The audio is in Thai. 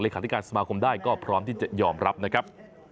ขาธิการสมาคมได้ก็พร้อมที่จะยอมรับนะครับ